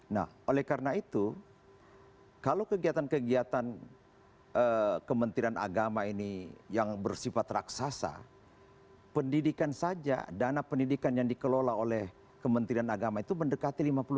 nah oleh karena itu kalau kegiatan kegiatan kementerian agama ini yang bersifat raksasa pendidikan saja dana pendidikan yang dikelola oleh kementerian agama itu mendekati lima puluh